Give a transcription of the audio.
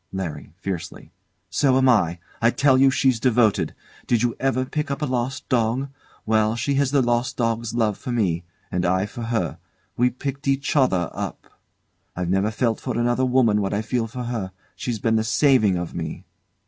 LARRY. [Fiercely] So am I. I tell you she's devoted. Did you ever pick up a lost dog? Well, she has the lost dog's love for me. And I for her; we picked each other up. I've never felt for another woman what I feel for her she's been the saving of me!